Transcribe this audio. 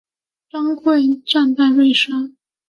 张贵战败被杀。